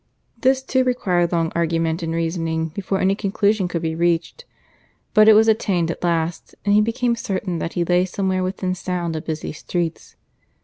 This too required long argument and reasoning before any conclusion could be reached; but it was attained at last, and he became certain that he lay somewhere within sound of busy streets.